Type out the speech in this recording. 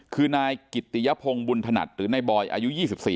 คือนายกิตติยพงศ์บุญถนัดหรือนายบอยอายุ๒๔